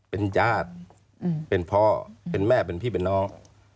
เป็นญาติเป็นพ่อเป็นแม่เป็นพี่เป็นน้อง